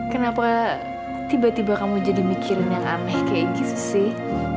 kenapa tiba tiba kamu jadi mikirin yang aneh kayak gitu sih